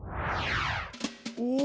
お！